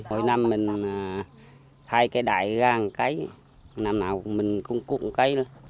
mỗi năm mình thay cây đài ra một cây năm nào mình cũng cút một cây